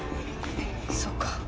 そっか。